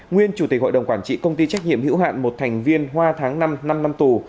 nguyên chủ tịch hội đồng quản trị công ty trách nhiệm hữu hạn một thành viên hoa tháng năm năm tù